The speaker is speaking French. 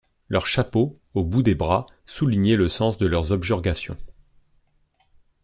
Leurs chapeaux, au bout des bras, soulignaient le sens de leurs objurgations.